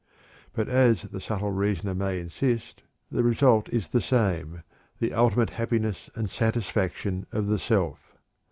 But, as the subtle reasoner may insist, the result is the same the ultimate happiness and satisfaction of the self.